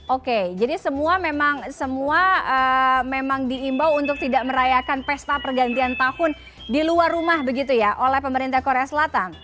oke jadi semua memang semua memang diimbau untuk tidak merayakan pesta pergantian tahun di luar rumah begitu ya oleh pemerintah korea selatan